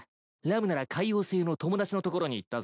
ラムなら海王星の友達の所に行ったぞ。